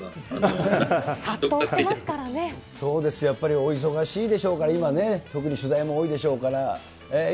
そうです、やっぱりお忙しいでしょうから、今、特に取材も多いでしょうからね。